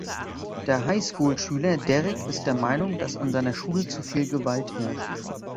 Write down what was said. Der High-School-Schüler Derek ist der Meinung, dass an seiner Schule zu viel Gewalt herrscht.